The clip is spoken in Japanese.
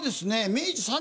明治！